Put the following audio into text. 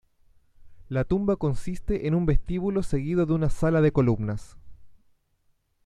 La tumba consiste en un vestíbulo seguido de una sala de columnas.